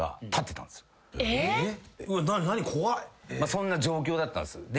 そんな状況だったんです。